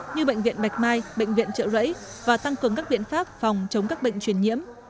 như bệnh viện bạch mai bệnh viện trợ rẫy và tăng cường các biện pháp phòng chống các bệnh truyền nhiễm